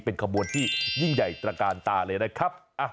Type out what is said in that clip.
เป็นขบวนที่ยิ่งใหญ่ตระกาลตาเลยนะครับ